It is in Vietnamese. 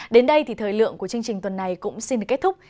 đến đây thì thời lượng của chương trình tuần này cũng xin kết thúc